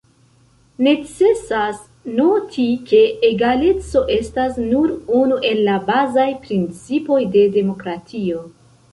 Necesas noti, ke egaleco estas nur unu el la bazaj principoj de demokratio.